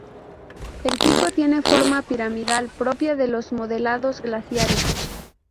El pico tiene forma piramidal propia de los modelados glaciares.